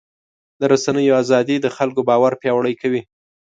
د رسنیو ازادي د خلکو باور پیاوړی کوي.